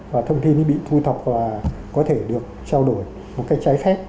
và thông tin ấy bị thu thọc và có thể được trao đổi một cách trái khép